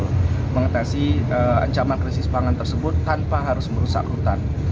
kita ingin menangani ancaman krisis pangan tersebut tanpa harus merusak hutan